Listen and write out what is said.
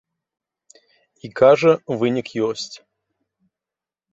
І, кажа, вынік ёсць.